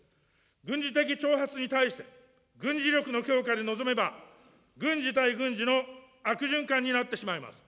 軍事的挑発に対して、軍事力の強化で臨めば、軍事対軍事の悪循環になってしまいます。